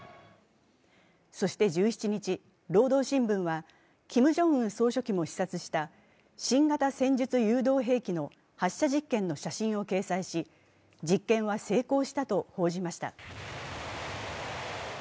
そして１７日、「労働新聞」はキム・ジョンウン総書記も視察した新型戦術誘導兵器の発射実験の写真を掲載し、実験は成功したと報じました。